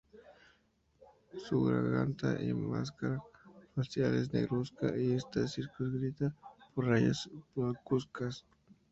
Su garganta y máscara facial es negruzca, y está circunscrita por rayas blancuzcas.